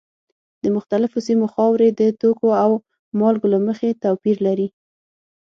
د مختلفو سیمو خاورې د توکو او مالګو له مخې توپیر لري.